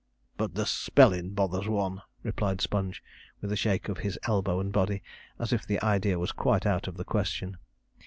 'But the spellin' bothers one,' replied Sponge, with a shake of his elbow and body, as if the idea was quite out of the question.